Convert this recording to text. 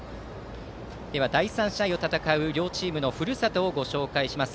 第３試合を戦う両チームのふるさとを紹介します。